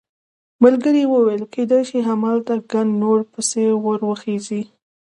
ملګري یې وویل کېدای شي همالته ګڼ نور پسې ور وخېژي.